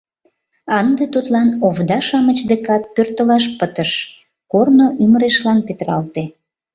Ынде тудлан овда-шамыч декат пӧртылаш пытыш — корно ӱмырешлан петыралте.